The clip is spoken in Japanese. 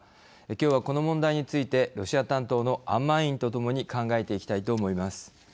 きょうは、この問題についてロシア担当の安間委員とともに考えていきたいと思います。